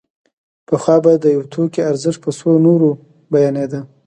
پخوا به د یو توکي ارزښت په څو نورو بیانېده